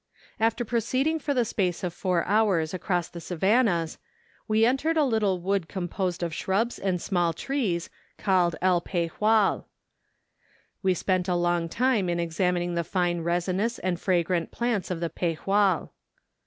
After proceeding for the space of four hours across the savannahs, we entered a little wood com¬ posed of shrubs and small trees, called el Pejual. We spent a long time in examining the fine resinous and fragrant plants of the Pejual.